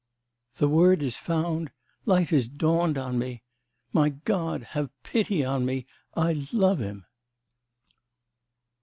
'... The word is found, light has dawned on me! My God, have pity on me.... I love him!